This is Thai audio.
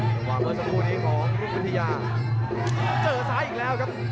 พาท่านผู้ชมกลับติดตามความมันกันต่อครับ